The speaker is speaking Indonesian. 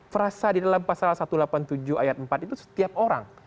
frasa di dalam pasal satu ratus delapan puluh tujuh ayat empat itu setiap orang